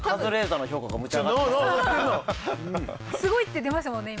「すごい」って出ましたもんね